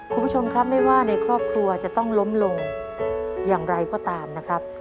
คุณผู้ชมครับไม่ว่าในครอบครัวจะต้องล้มลงอย่างไรก็ตามนะครับ